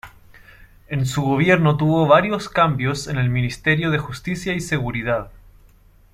En su gobierno tuvo varios cambios en el Ministerio de Justicia y Seguridad.